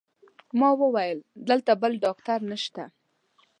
ما وویل: دلته بل ډاکټر نشته؟